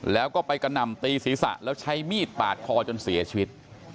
แล้วก็ไปกระหน่ำตีศีรษะแล้วใช้มีดปาดคอจนเสียชีวิต